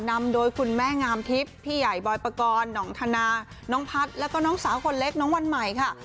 นำโดยคุณแม่งามทิพย์พี่ใหญ่บอยปกรณ์หนองธนาน้องพัฒน์แล้วก็น้องสาวคนเล็กน้องวันใหม่ค่ะ